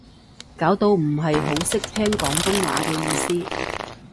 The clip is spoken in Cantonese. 搞到唔係好識聽廣東話嘅意思